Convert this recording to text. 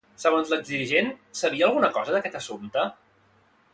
Segons l'exdirigent, sabia alguna cosa d'aquest assumpte?